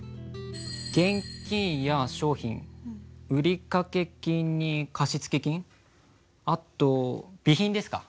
現金や商品売掛金に貸付金あと備品ですか。